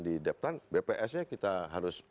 di departemen bpsnya kita harus